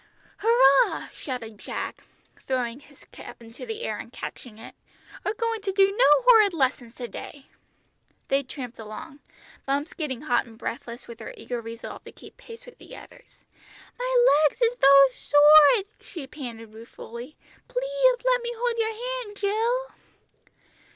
"Hurrah!" shouted Jack, throwing his cap into the air and catching it; "we're going to do no horrid lessons to day!" They tramped along, Bumps getting hot and breathless with her eager resolve to keep pace with the others. "My legs is so short!" she panted ruefully; "pleath let me hold your hand, Jill."